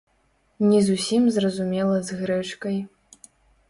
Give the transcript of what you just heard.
Не зусім зразумела з грэчкай.